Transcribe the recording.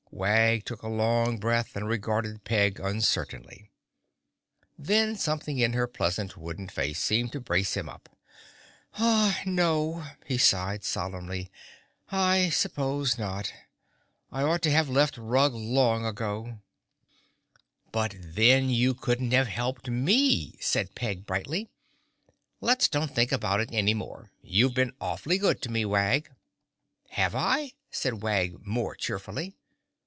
Wag took a long breath and regarded Peg uncertainly. Then something in her pleasant wooden face seemed to brace him up. "No!" he sighed solemnly—"I s'pose not. I ought to have left Rug long ago." "But then you couldn't have helped me," said Peg brightly. "Let's don't think about it any more. You've been awfully good to me, Wag." "Have I?" said Wag more cheerfully.